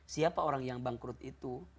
siapa orang yang bangkrut itu